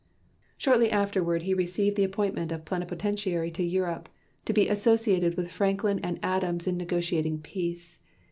Shortly afterward he received the appointment of Plenipotentiary to Europe, to be associated with Franklin and Adams in negotiating peace.